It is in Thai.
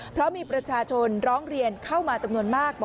เพราะมีประชาชนร้องเรียนเข้ามาจำนวนมาก